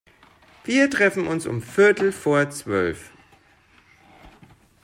Wir treffen uns um viertel vor zwölf.